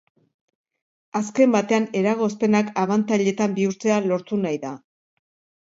Azken batean eragozpenak abantailetan bihurtzea lortu nahi da.